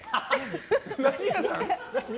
何屋さん？